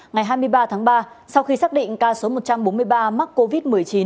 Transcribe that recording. ngày hai mươi ba tháng ba sau khi xác định ca số một trăm bốn mươi ba mắc covid một mươi chín